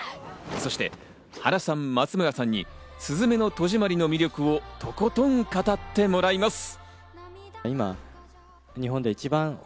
そして原さん、松村さんに『すずめの戸締まり』の魅力をとことん語ってもらいます。